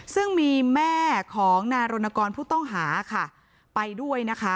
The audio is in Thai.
ซึ่งมีแม่ของนายรณกรผู้ต้องหาค่ะไปด้วยนะคะ